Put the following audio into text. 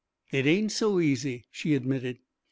"It ain't so easy," she admitted.